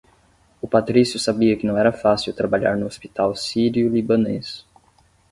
O Patrício sabia que não era fácil trabalhar no Hospital Sírio Libanês.